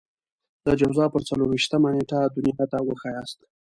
د جوزا پر څلور وېشتمه نېټه دنيا ته وښاياست.